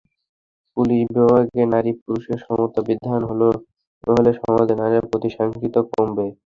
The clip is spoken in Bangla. পুলিশ বিভাগে নারী-পুরুষের সমতা বিধান করা হলে সমাজে নারীর প্রতি সহিংসতা কমবে।